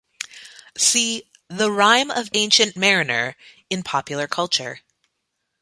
See "The Rime of the Ancient Mariner" in popular culture.